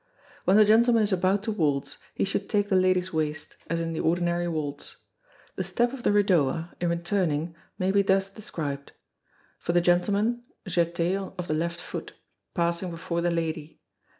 When the gentleman is about to waltz, he should take the lady's waist, as in the ordinary waltz. The step of the Redowa, in turning, may be thus described. For the gentleman jete of the left foot, passing before the lady.